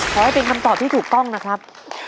ขอให้เป็นคำตอบที่ถูกต้องนะครับ